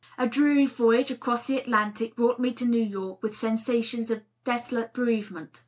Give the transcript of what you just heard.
A dreary voyage across the Atlantic brought me to New York with sensations of desolate bereavement.